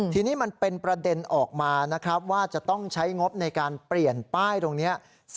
ทีนี้มันเป็นประเด็นออกมานะครับว่าจะต้องใช้งบในการเปลี่ยนป้ายตรงนี้